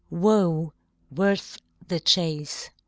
"Wo worth the chase.